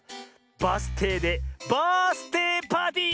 バスていでバースていパーティー！